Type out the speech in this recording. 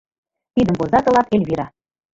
Тидым воза тылат Эльвира.